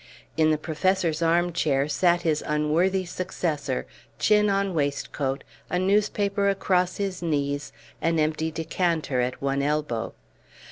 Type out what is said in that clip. In the professor's armchair sat his unworthy successor, chin on waistcoat, a newspaper across his knees, an empty decanter at one elbow.